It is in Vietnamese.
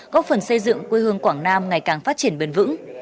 góp phần xây dựng quê hương quảng nam ngày càng phát triển bền vững